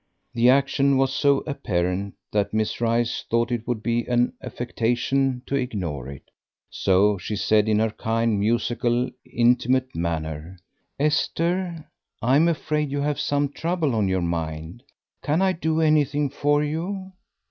The action was so apparent that Miss Rice thought it would be an affectation to ignore it. So she said in her kind, musical, intimate manner, "Esther, I'm afraid you have some trouble on your mind; can I do anything for you?"